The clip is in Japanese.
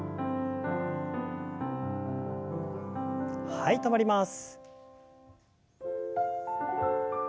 はい止まります。